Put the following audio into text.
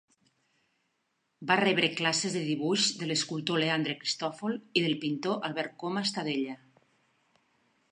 Va rebre classes de dibuix de l’escultor Leandre Cristòfol i del pintor Albert Coma Estadella.